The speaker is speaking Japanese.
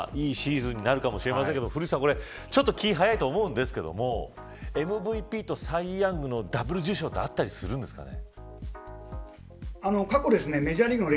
まさに脂が乗りきったいいシーズンになるかもしれませんが古市さん、ちょっと気が早いと思うんですけどＭＶＰとサイ・ヤング賞のダブル受賞はあったりするんですかね。